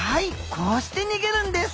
こうして逃げるんです。